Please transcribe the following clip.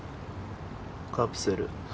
カプセル。